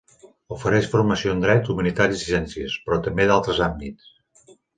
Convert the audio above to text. Ofereix formació en Dret, Humanitats i Ciències, però també d'altres àmbits.